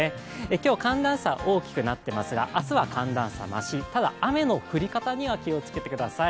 今日、寒暖差大きくなってますが明日は寒暖差なしただ雨の降り方には気をつけてください。